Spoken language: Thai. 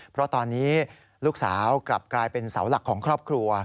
เพราะตอนนี้ลูกสาวกลับกลายเป็นเสาหลักของครอบครัว